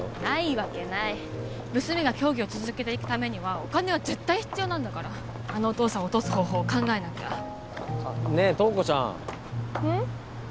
いわけない娘が競技を続けていくためにはお金は絶対必要なんだからあのお父さんを落とす方法を考えなきゃあねえ塔子ちゃんうん？